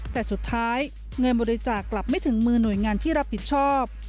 แต่สุดท้ายเงินบริจาคกลับไม่ถึงมือหน่วยงานที่รับผิดชอบ